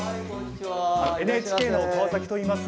ＮＨＫの川崎といいます。